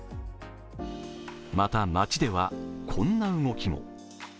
また、街ではこんな動きも。